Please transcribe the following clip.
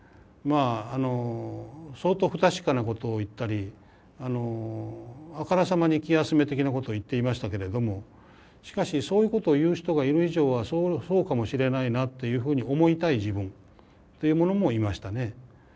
まああの相当不確かなことを言ったりあからさまに気休め的なことを言っていましたけれどもしかしそういうことを言う人がいる以上はそうかもしれないなというふうに思いたい自分っていうものもいましたね。